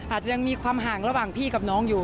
อาจจะยังมีความห่างระหว่างพี่กับน้องอยู่